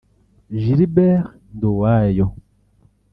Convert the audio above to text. Gilbert Nduwayo